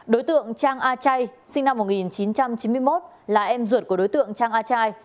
đối tượng trang a chay sinh năm một nghìn chín trăm chín mươi một là em ruột của đối tượng trang a trai